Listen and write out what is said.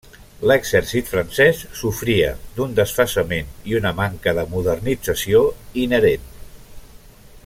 L'exèrcit francès sofria d'un desfasament i una manca de modernització inherent.